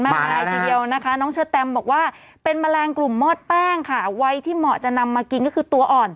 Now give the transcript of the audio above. มากมายทีเดียวนะคะน้องเชอแตมบอกว่าเป็นแมลงกลุ่มมอดแป้งค่ะวัยที่เหมาะจะนำมากินก็คือตัวอ่อน